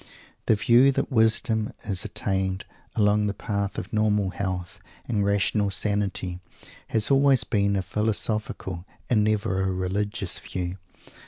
The view that wisdom is attained along the path of normal health and rational sanity has always been a "philosophical" and never a "religious" view.